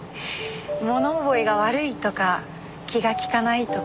物覚えが悪いとか気が利かないとか。